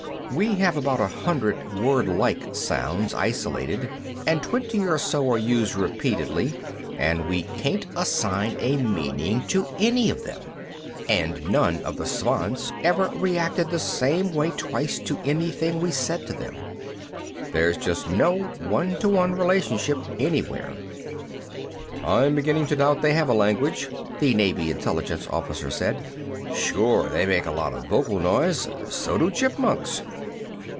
We have about a hundred wordlike sounds isolated, and twenty or so are used repeatedly, and we can't assign a meaning to any of them. And none of the Svants ever reacted the same way twice to anything we said to them. There's just no one to one relationship anywhere." "I'm beginning to doubt they have a language," the Navy intelligence officer said. "Sure, they make a lot of vocal noise. So do chipmunks."